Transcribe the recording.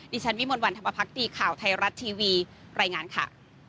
ดิฉันวิมวลวันธรรมพักดีข่าวไทยรัฐทีวีรายงานค่ะ